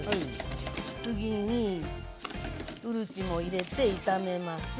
次にうるちも入れて炒めます。